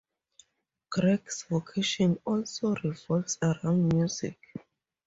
Greg's vocation also revolves around music.